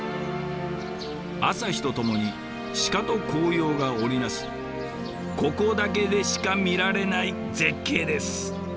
朝日とともに鹿と紅葉が織り成すここだけでしか見られない絶景です。